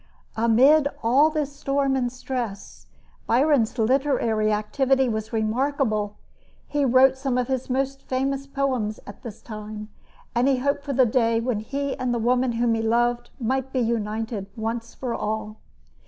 Amid all this storm and stress, Byron's literary activity was remarkable. He wrote some of his most famous poems at this time, and he hoped for the day when he and the woman whom he loved might be united once for all.